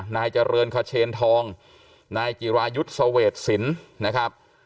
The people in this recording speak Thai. นายเจริญเขาเชนทองนายกิรายุทธสเวทศิลป์นะครับ